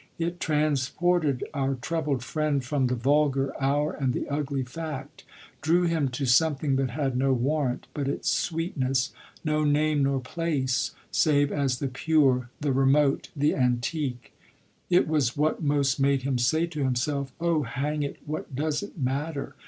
It transported our troubled friend from the vulgar hour and the ugly fact; drew him to something that had no warrant but its sweetness, no name nor place save as the pure, the remote, the antique. It was what most made him say to himself "Oh hang it, what does it matter?"